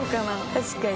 確かに。